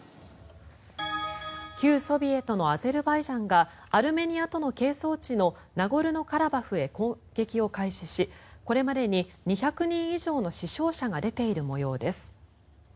旧ソビエトのアゼルバイジャンがアルメニアとの係争地のナゴルノカラバフへ攻撃を開始しこれまでに２００人以上の死傷者が出ている模様です。